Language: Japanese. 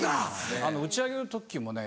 打ち上げの時もね